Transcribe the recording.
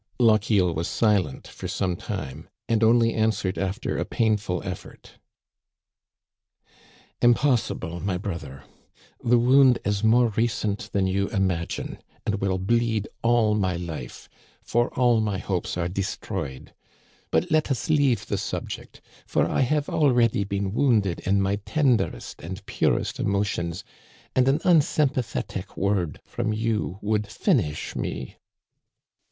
Lochiel was silent for some time, and only answered after a painful effort. " Impossible, my brother. The wound is more re cent than you imagine and will bleed all my life, for all my hopes are destroyed. But let us leave the subject ; for I have already been wounded in my tenderest and purest emotions, and an unsympathetic word from you would finish me."